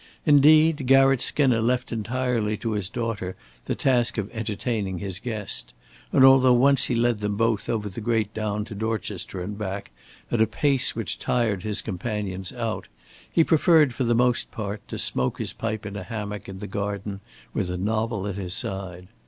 Indeed, Garratt Skinner left entirely to his daughter the task of entertaining his guest; and although once he led them both over the great down to Dorchester and back, at a pace which tired his companions out, he preferred, for the most part, to smoke his pipe in a hammock in the garden with a novel at his side.